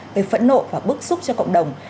về phẫn nộ và bức xúc cho cộng đồng